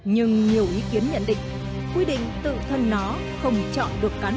nhưng nhiều ý kiến nhận định quy định tự thân nó không chọn được cán bộ